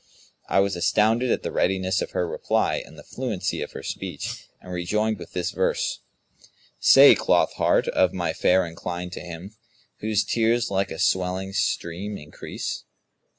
I was astounded at the readiness of her reply and the fluency of her speech and rejoined with this verse, 'Say, cloth heart of my fair incline to him * Whose tears like a swelling stream increase?'